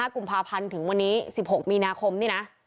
๒๕กลุ่มภาพันธ์ถึงวันนี้๑๖มีน